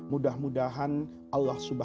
mudah mudahan allah swt